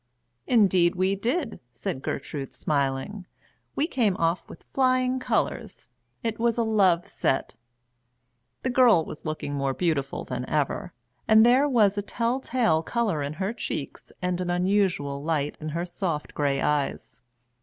"Indeed we did," said Gertrude, smiling. "We came off with flying colours. It was a love set." The girl was looking more beautiful than ever, and there was a tell tale colour in her cheeks and an unusual light in her soft grey eyes.